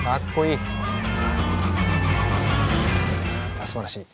いやすばらしい。